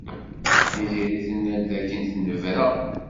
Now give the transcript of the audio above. Tiziri tenna-d d akken tennebra.